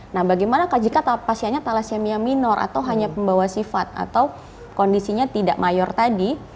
nah bagaimana jika pasiennya thalassemia minor atau hanya pembawa sifat atau kondisinya tidak mayor tadi